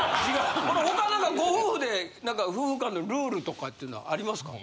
これ他何かご夫婦で何か夫婦間のルールとかっていうのはありますか？